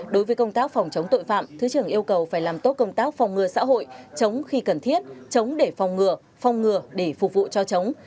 đối với công tác phòng chống tội phạm thứ trưởng yêu cầu phải làm tốt công tác phòng ngừa xã hội chống khi cần thiết chống để phòng ngừa phòng ngừa để phục vụ cho chống